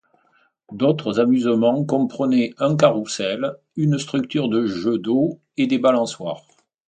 D'autres amusements comprenaient un carrousel, une structure de jeu d'eau et des balançoires.